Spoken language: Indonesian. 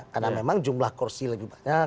karena memang jumlah kursi lebih banyak